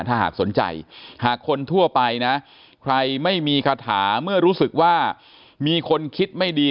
ถ้าหากสนใจหากคนทั่วไปนะใครไม่มีคาถาเมื่อรู้สึกว่ามีคนคิดไม่ดี